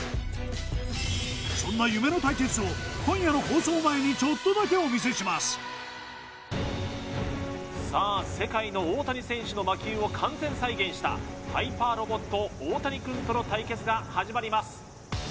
そんな夢の対決を今夜の放送前にさあ世界の大谷選手の魔球を完全再現したハイパーロボットオオタニくんとの対決が始まります